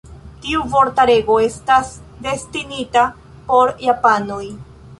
Tiu vortarego estas destinita por japanoj.